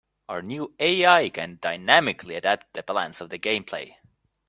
Our new AI can dynamically adapt the balance of the gameplay.